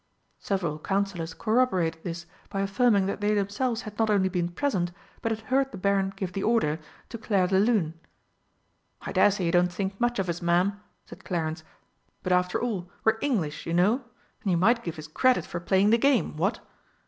Several Councillors corroborated this by affirming that they themselves had not only been present but had heard the Baron give the order, "To Clairdelune." "I daresay you don't think much of us, Ma'am," said Clarence, "but after all we're English, you know, and you might give us credit for playing the game, what?"